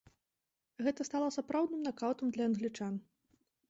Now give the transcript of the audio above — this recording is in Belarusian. Гэта стала сапраўдны накаўтам для англічан.